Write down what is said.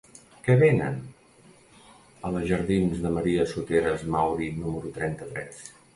Què venen a la jardins de Maria Soteras Mauri número trenta-tres?